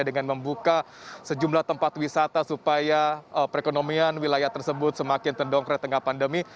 dengan membuka sejumlah tempat wisata supaya perekonomian wilayah tersebut semakin terdongkrak tengah pandemi